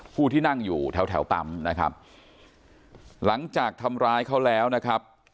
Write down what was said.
ผู้ที่นั่งอยู่แถวแถวปั๊มนะครับหลังจากทำร้ายเขาแล้วนะครับ